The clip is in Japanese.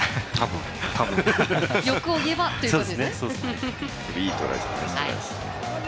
欲を言えばということですね。